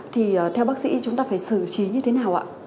thì theo bác sĩ chúng ta phải xử trí như thế nào ạ